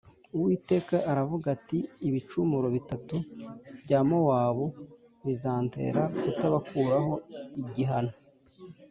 Uwiteka aravuga ati “Ibicumuro bitatu bya Mowabu bizantera kutabakuraho igihano